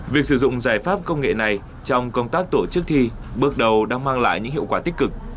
việc sử dụng giải pháp công nghệ này trong công tác tổ chức thi bước đầu đã mang lại những hiệu quả tích cực